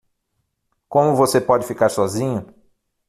Como você pode ficar sozinho?